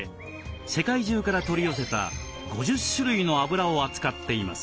世界中から取り寄せた５０種類のあぶらを扱っています。